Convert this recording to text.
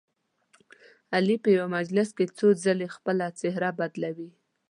علي په یوه مجلس کې څو ځلې خپله څهره بدلوي.